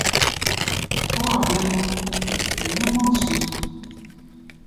Wawa blɛ nunʼn, e ɲanman nʼzue.